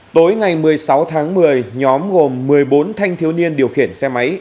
tối ngày một mươi sáu tháng một mươi nhóm gồm một mươi bốn thanh thiếu niên điều khiển xe máy